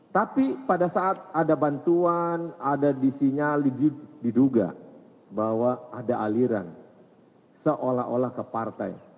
tapi pada saat ada bantuan ada disinyali diduga bahwa ada aliran seolah olah ke partai